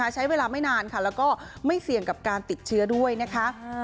ใช้เวลาไม่นานค่ะแล้วก็ไม่เสี่ยงกับการติดเชื้อด้วยนะคะ